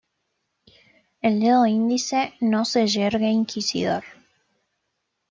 El dedo índice no se yergue inquisidor.